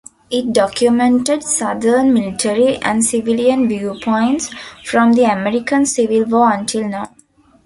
It documented Southern military and civilian viewpoints from the American Civil War until now.